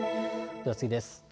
では次です。